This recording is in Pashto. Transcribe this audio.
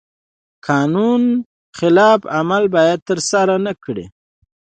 د قانون خلاف عمل باید ترسره نکړي.